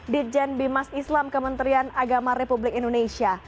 ditjen bimas islam kementerian agama republik indonesia